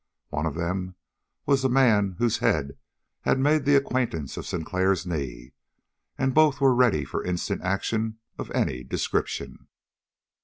One of them was the man whose head had made the acquaintance of Sinclair's knee, and both were ready for instant action of any description.